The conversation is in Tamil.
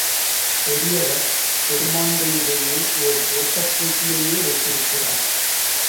பெரியவர் பெருமான்களிடையே ஓர் ஓட்டப் போட்டியையே வைத்திருக்கிறார்.